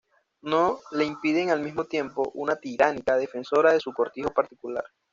no le impiden al mismo tiempo, una tiránica defensora de su cortijo particular